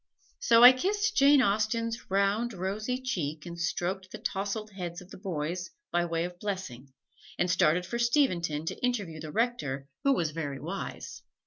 So I kissed Jane Austen's round, rosy cheek and stroked the tousled heads of the boys by way of blessing, and started for Steventon to interview the Rector who was very wise.